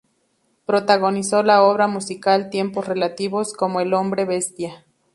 Protagonizó la obra musical "Tiempos Relativos", como el hombre bestia.